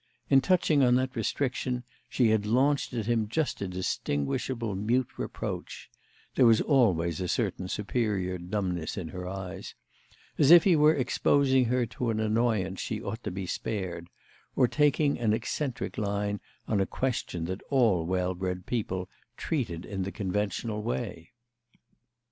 In touching on that restriction she had launched at him just a distinguishable mute reproach—there was always a certain superior dumbness in her eyes—as if he were exposing her to an annoyance she ought to be spared, or taking an eccentric line on a question that all well bred people treated in the conventional way.